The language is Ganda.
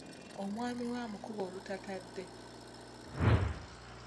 Omwami we amukuba olutatadde.